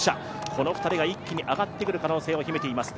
この２人が一気に上がってくる可能性を秘めています。